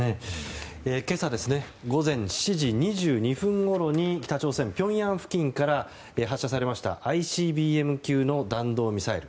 今朝午前７時２２分ごろに北朝鮮のピョンヤン付近から発射されましたＩＣＢＭ級の弾道ミサイル。